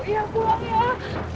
ya pulang ya